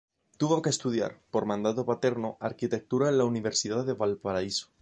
Tuvo que estudiar, por mandato paterno, arquitectura en la Universidad de Valparaíso.